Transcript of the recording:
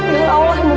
biar aja nur